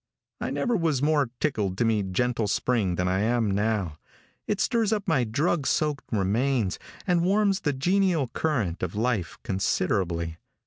I never was more tickled to meet gentle spring than I am now. It stirs up my drug soaked remains, and warms the genial current of life considerably.